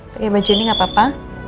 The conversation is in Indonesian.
pakai baju ini gak apa apa